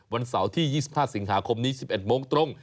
วันเสาร์ที่๒๕สิงหาคมนี้๑๑โมงตรง